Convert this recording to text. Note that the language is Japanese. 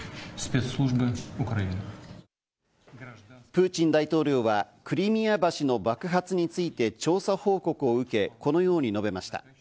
プーチン大統領はクリミア橋の爆発について調査報告を受け、このように述べました。